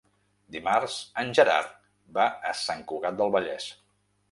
Dimarts en Gerard va a Sant Cugat del Vallès.